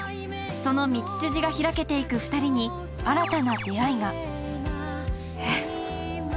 その道筋が開けていく二人に新たな出会いがえっ？